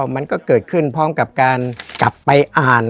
มันก็เกิดขึ้นพร้อมกับการกลับไปอ่าน